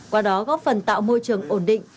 qua đó góp phần tạo môi trường ổn định